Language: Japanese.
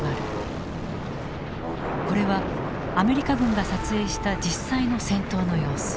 これはアメリカ軍が撮影した実際の戦闘の様子。